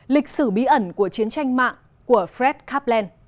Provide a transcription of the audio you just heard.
lịch sử bí ẩn của chiến tranh mạng của fred kaplan